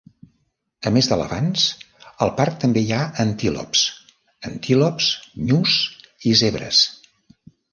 A més d'elefants, al parc també hi ha antílops, antílops, nyus i zebres.